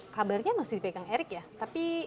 kabarnya masih dipegang erick ya tapi